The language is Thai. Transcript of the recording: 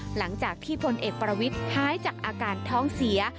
หลังจากที่พลเอกประวิทย์หายจากอาการท้องเสีย